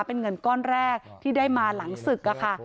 เป็นเงินก้อนแรกที่ได้มาหลังศึกค่ะ